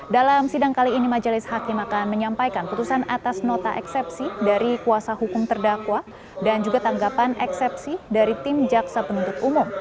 dalam sidang kali ini majelis hakim akan menyampaikan putusan atas nota eksepsi dari kuasa hukum terdakwa dan juga tanggapan eksepsi dari tim jaksa penuntut umum